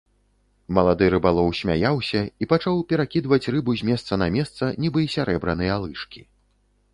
Малады рыбалоў смяяўся і пачаў перакідваць рыбу з месца на месца, нібы сярэбраныя лыжкі.